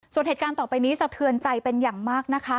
ส่วนเหตุการณ์ต่อไปนี้สะเทือนใจเป็นอย่างมากนะคะ